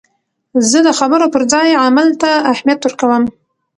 زه د خبرو پر ځای عمل ته اهمیت ورکوم.